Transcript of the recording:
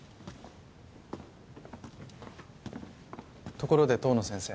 ところで遠野先生。